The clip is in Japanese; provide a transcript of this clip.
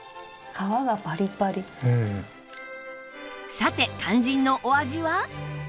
さて肝心のお味は？